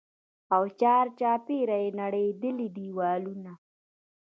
او چارچاپېره يې نړېدلي دېوالونه.